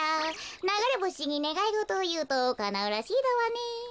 ながれぼしにねがいごとをいうとかなうらしいだわね。